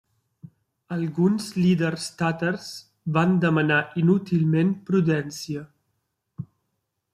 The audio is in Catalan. Alguns líders tàtars van demanar inútilment prudència.